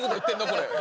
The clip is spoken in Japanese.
これ。